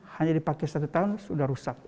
hanya dipakai satu tahun sudah rusak